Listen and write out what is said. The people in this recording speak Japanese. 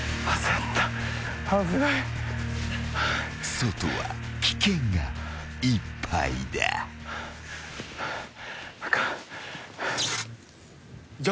［外は危険がいっぱいだ］あかん。